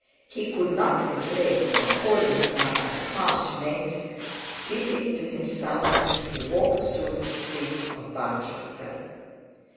He could not refrain from calling her by harsh names, speaking to himself as he walked through the streets of Barchester.